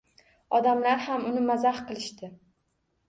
Odamlar ham uni mazax qilishdi.